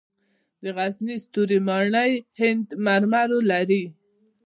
د غزني ستوري ماڼۍ د هند مرمرو لري